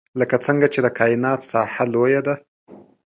لکه څنګه چې د کاینات ساحه لوی ده.